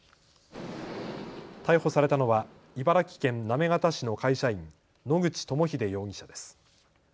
逮捕されたのは茨城県行方市の会社員、野口朋秀容疑者です。